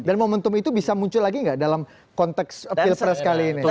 dan momentum itu bisa muncul lagi nggak dalam konteks appeal press kali ini